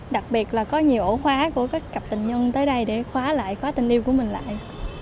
đặc biệt là có nhiều ổ khóa của các cặp tình nhân tới đây để khóa lại khóa tình yêu của mình lại